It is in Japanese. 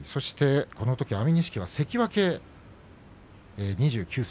このとき安美錦は関脇２９歳。